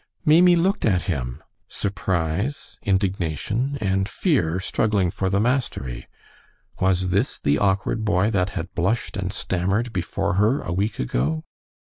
Mamie looked at him, surprise, indignation, and fear struggling for the mastery. Was this the awkward boy that had blushed and stammered before her a week ago?